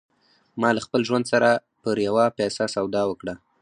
ما له خپل ژوند سره پر يوه پيسه سودا وکړه.